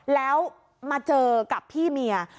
แล้วมาเจอกับพี่เมีย